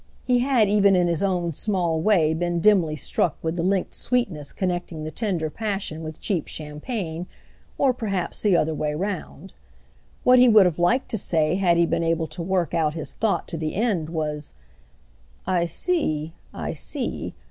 He had even in his own small way been dimly struck with the linkèd sweetness connecting the tender passion with cheap champagne, or perhaps the other way round. What he would have liked to say had he been able to work out his thought to the end was: "I see, I see.